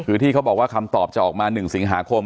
คือที่เขาบอกว่าคำตอบจะออกมา๑สิงหาคม